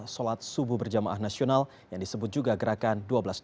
solat subuh berjamaah nasional yang disebut juga gerakan dua belas dua belas